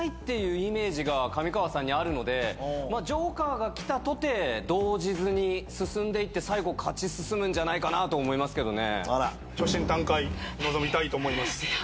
上川さんにあるのでジョーカーが来たとて動じずに進んでいって最後勝ち進むんじゃないかなと思いますけどね。